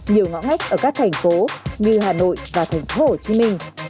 nhiều ngõ ngách ở các thành phố như hà nội và thành phố hồ chí minh